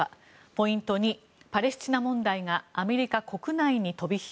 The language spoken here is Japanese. ポイント２、パレスチナ問題がアメリカ国内に飛び火。